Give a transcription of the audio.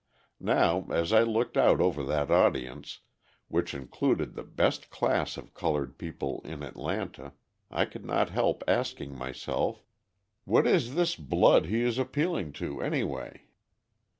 Now as I looked out over that audience, which included the best class of coloured people in Atlanta, I could not help asking myself: "What is this blood he is appealing to, anyway?"